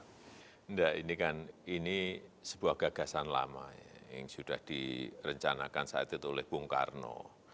tidak ini kan ini sebuah gagasan lama yang sudah direncanakan saat itu oleh bung karno